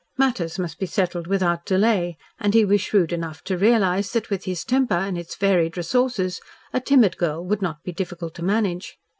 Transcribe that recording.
Matters must be settled without delay and he was shrewd enough to realise that with his temper and its varied resources a timid girl would not be difficult to manage.